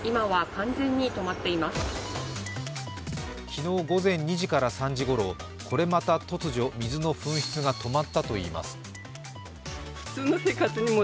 昨日午前２時から３時ごろ、これまた突如、水の噴出が止まったといいます。